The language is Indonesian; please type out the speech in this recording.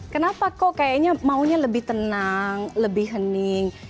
kenapa kok kayaknya maunya lebih tenang lebih hening